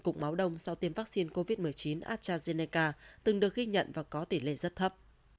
cục máu đông do tiêm vaccine covid một mươi chín astrazeneca từng được ghi nhận và có tỷ lệ rất thấp